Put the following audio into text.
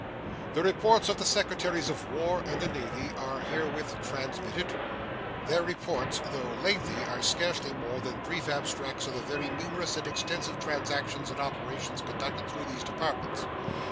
The reports of the Secretaries of War and of the Navy are herewith transmitted. These reports, though lengthy, are scarcely more than brief abstracts of the very numerous and extensive transactions and operations conducted through those Departments.